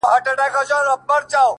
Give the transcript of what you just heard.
چي دي شراب، له خپل نعمته ناروا بلله،